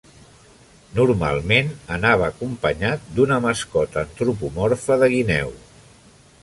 Normalment anava acompanyat d'una mascota antropomorfa de guineu.